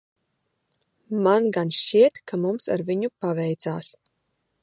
Man gan šķiet, ka mums ar viņu paveicās.